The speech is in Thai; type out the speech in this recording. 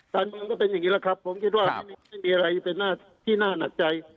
การเมืองก็เป็นอย่างนี้แหละครับผมคิดว่าไม่มีอะไรเป็นหน้าที่น่าหนักใจ